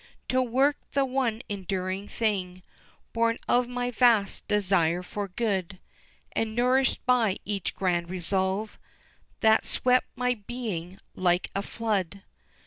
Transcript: To work, the one enduring thing Born of my vast desire for good, And nourished by each grand resolve That swept my being like a flood.